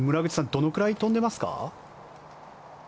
どのくらい飛んでますか？